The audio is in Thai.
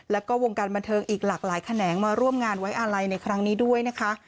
แล้วก็วงการบันเทิงอีกหลากหลายแขนงมาร่วมงานไว้อาลัยในครั้งนี้ด้วยนะคะ